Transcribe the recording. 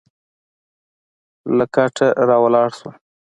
له کټه راولاړ شوم.